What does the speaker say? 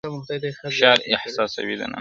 فشار احساسوي دننه،